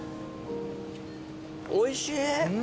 おいしい。